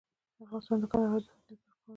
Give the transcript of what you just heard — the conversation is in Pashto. افغانستان د کندهار د ساتنې لپاره قوانین لري.